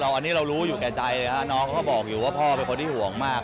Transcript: อันนี้เรารู้อยู่แก่ใจน้องเขาก็บอกอยู่ว่าพ่อเป็นคนที่ห่วงมาก